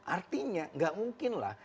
artinya tidak mungkinlah